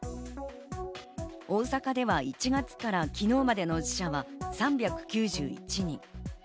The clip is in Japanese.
大阪では１月から昨日までの死者は３９１人。